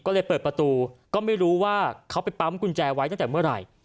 ก็เลยเปิดประตูก็ไม่รู้ว่าเขาไปปั๊มกุญแจไว้ตั้งแต่เมื่อไหร่